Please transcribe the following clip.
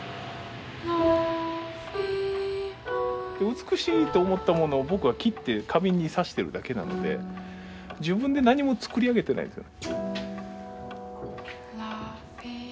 美しいって思ったものを僕は切って花瓶に挿してるだけなので自分で何も作り上げてないですよ。